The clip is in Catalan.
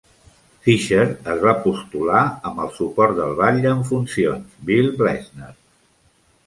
Fischer es va postular amb el suport del batlle en funcions Bill Blesener.